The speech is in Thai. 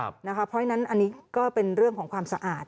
เพราะฉะนั้นอันนี้ก็เป็นเรื่องของความสะอาด